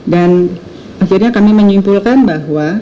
dan akhirnya kami menyimpulkan bahwa